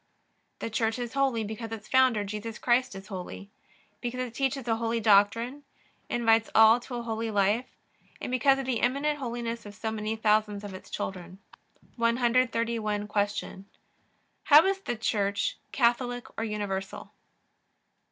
The Church is Holy because its founder, Jesus Christ, is holy; because it teaches a holy doctrine; invites all to a holy life; and because of the eminent holiness of so many thousands of its children. 131. Q. How is the Church Catholic or universal?